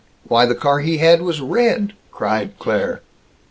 Why, the car he had was red," cried Claire.